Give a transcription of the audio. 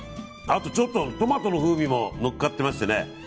あと、ちょっとトマトの風味も乗っかってましてね。